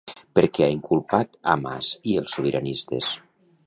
Per què ha inculpat a Mas i els sobiranistes?